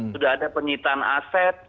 sudah ada penyitaan aset